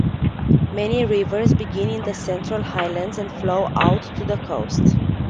Many rivers begin in the Central Highlands and flow out to the coast.